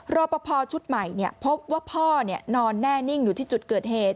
รอปภชุดใหม่พบว่าพ่อนอนแน่นิ่งอยู่ที่จุดเกิดเหตุ